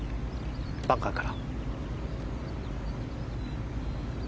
バンカーから。